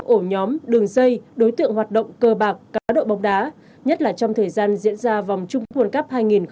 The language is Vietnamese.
ổ nhóm đường dây đối tượng hoạt động cơ bạc cá độ bóng đá nhất là trong thời gian diễn ra vòng trung quân cấp hai nghìn hai mươi hai